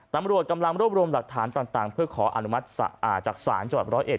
ตำรวจกำลังรวบรวมหลักฐานต่างเพื่อขออนุมัติจักษาจากศาลกรอมทรัพย์๑๐๑